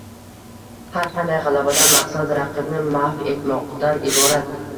har qanday g‘alabadan maqsad raqibni mahv etmoqdan iborat;